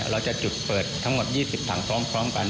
เราจะจุดเปิดทั้งหมด๒๐ถังพร้อมกัน